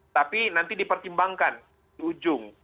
tapi nanti dipertimbangkan di ujung